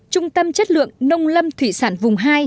một mươi một trung tâm chất lượng nông lâm thủy sản vùng hai